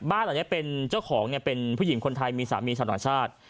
บ้านหลังนี้เป็นเจ้าของเป็นผู้หญิงคนไทยมีสามีชาวต่างชาติ